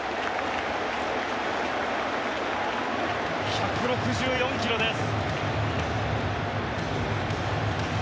１６４キロです。